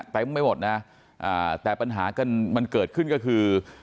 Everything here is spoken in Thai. ไม่หมดนะแต่ปัญหากันมันเกิดขึ้นก็คือ